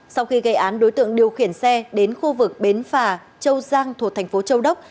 sau khi gây án đối tượng điều khiển xe đến khu vực bến phà châu giang thuộc thành phố châu đốc